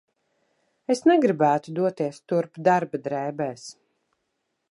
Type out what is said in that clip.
Es negribētu doties turp darba drēbēs.